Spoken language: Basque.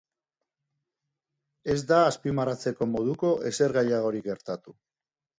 Ez da azpimarratzeko moduko ezer gehiagorik gertatu.